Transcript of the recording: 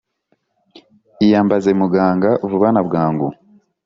iyambaze muganga vuba na bwangu.